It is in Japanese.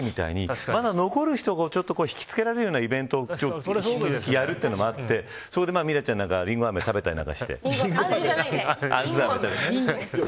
アフターパーティーみたいにまだ残る人を引きつけられるなイベントをやるというのもあってそこでミラちゃんなんかりんごあめ食べたりなんかして。